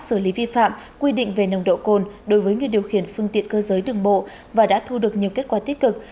xử lý vi phạm quy định về nồng độ cồn đối với người điều khiển phương tiện cơ giới đường bộ và đã thu được nhiều kết quả tích cực